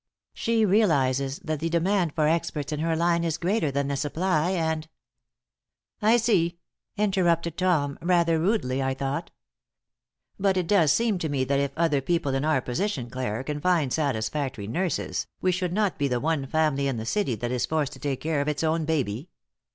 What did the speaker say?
She realizes that the demand for experts in her line is greater than the supply, and " "I see," interrupted Tom, rather rudely, I thought. "But it does seem to me that if other people in our position, Clare, can find satisfactory nurses, we should not be the one family in the city that is forced to take care of its own baby.